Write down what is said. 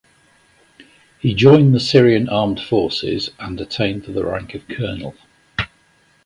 He joined the Syrian Armed Forces and attained the rank of colonel.